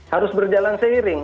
harus berjalan seiring